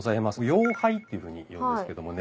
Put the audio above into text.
洋杯っていうふうにいうんですけどもね。